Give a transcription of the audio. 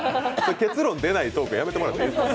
結論出ないトークやめてもらっていいですか。